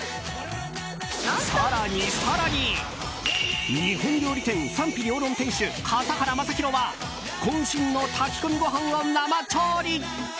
更に、更に日本料理店「賛否両論」店主・笠原将弘は渾身の炊き込みご飯を生調理。